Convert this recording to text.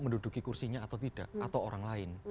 menduduki kursinya atau tidak atau orang lain